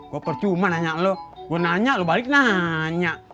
hah gua percuma nanya lo gua nanya lo balik nanya